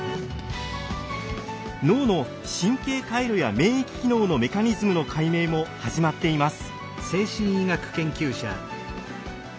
脳の神経回路や免疫機能のメカニズムの解明も始まっています。